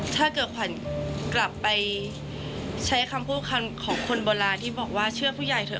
ถ้าเกิดขวัญกลับไปใช้คำพูดคำของคนโบราณที่บอกว่าเชื่อผู้ใหญ่เถอ